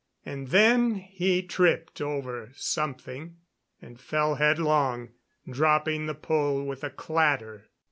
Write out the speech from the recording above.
And then he tripped over something and fell headlong, dropping the pole with a clatter.